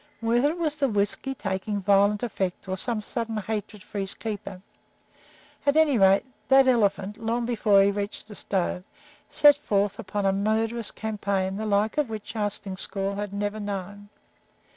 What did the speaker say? Whether it was the whisky taking violent effect or some sudden hatred for his keeper at any rate, that elephant, long before he reached the stove, set forth upon a murderous campaign the like of which Arstingstall had never known.